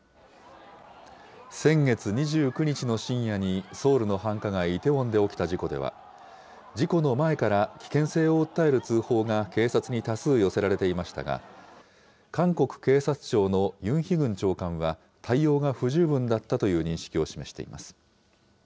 先月２９日の深夜にソウルの繁華街、イテウォンで起きた事故では、事故の前から危険性を訴える通報が警察に多数寄せられていましたが、韓国警察庁のユン・ヒグン長官は、対応が不十分だったという認識を示しています。